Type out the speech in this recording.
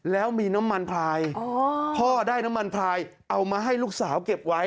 แล้วมีน้ำมันพลายพ่อได้น้ำมันพลายเอามาให้ลูกสาวเก็บไว้